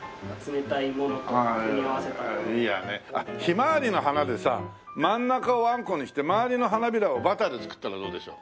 ヒマワリの花でさ真ん中をあんこにして周りの花びらをバターで作ったらどうでしょう？